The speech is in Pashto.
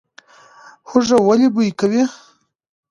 هوږه ولې بوی کوي؟